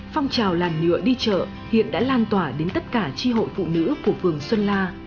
phong trào làn nhựa đi chợ hiện đã lan tỏa đến tất cả tri hội phụ nữ của phường xuân la